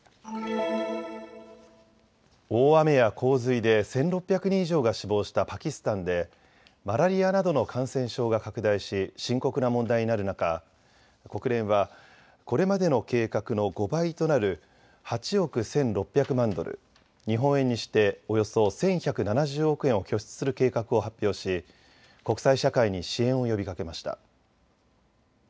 大雨や洪水で１６００人以上が死亡したパキスタンでマラリアなどの感染症が拡大し深刻な問題になる中、国連はこれまでの計画の５倍となる８億１６００万ドル、日本円にしておよそ１１７０億円を拠出する計画を発表し国際社会に支援を呼びかけました。